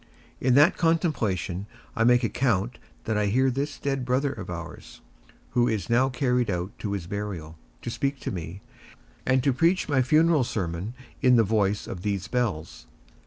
In that contemplation I make account that I hear this dead brother of ours, who is now carried out to his burial, to speak to me, and to preach my funeral sermon in the voice of these bells.